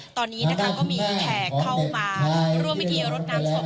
ตอนนี้นะคะก็มีแขกเข้ามาร่วมพิธีรดน้ำศพ